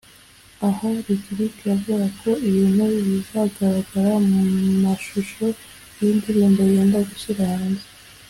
Aha Lick Lick yavugaga ku bintu bizagaragara mu mashusho y’iyi ndirimbo yenda gushyira hanze